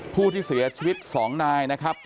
ผู้ที่เสียชีวิต๒นายนะครับ